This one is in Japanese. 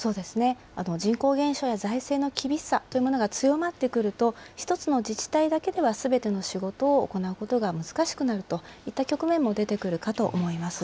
人口減少や財政の厳しさというものが強まってくると、１つの自治体だけではすべての仕事を行うことが難しくなるといった局面も出てくるかと思います。